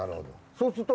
そうすると。